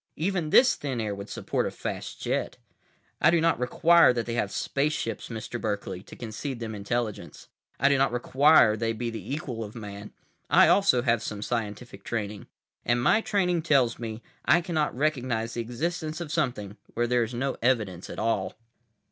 Even this thin air would support a fast jet. I do not require they have spaceships, Mr. Berkeley, to concede them intelligence. I do not require they be the equal of Man. I also have some scientific training. And my training tells me I cannot recognize the existence of something where there is no evidence at all."